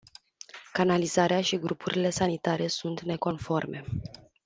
Canalizarea și grupurile sanitare sunt neconforme.